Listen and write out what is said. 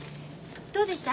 どうでした？